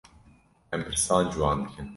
Em pirsan ji wan dikin.